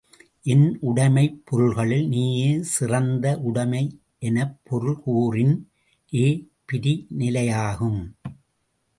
என் உடைமைப் பொருள்களுள் நீயே சிறந்த உடைமை எனப் பொருள் கூறின் ஏ பிரிநிலையாகும்.